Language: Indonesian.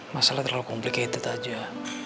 masalah terlalu komplikated aja